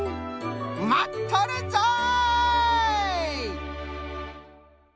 まっとるぞい！